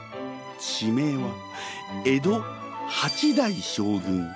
地名は江戸八代将軍